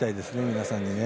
皆さんに。